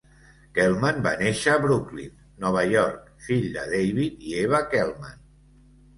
Kelman va néixer a Brooklyn, Nova York, fill de David i Eva Kelman.